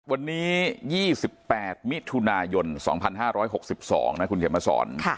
วันนี้๒๘มิถุนายน๒๕๖๒นะคุณเกษมศร